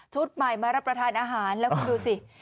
ใหม่มารับประทานอาหารแล้วคุณดูสิ